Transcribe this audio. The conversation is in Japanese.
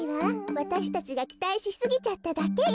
わたしたちがきたいしすぎちゃっただけよ。